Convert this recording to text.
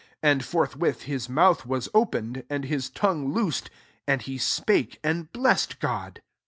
64 And fbrthwiti his mouth woe openedy tmd hi tongue loosed, and he spake y am blessed God.